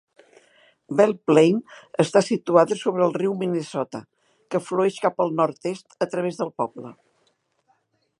Belle Plaine està situada sobre el riu Minnesota, que flueix cap el nord-est a través del poble.